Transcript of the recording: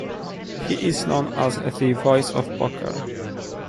He is known as the "voice of poker".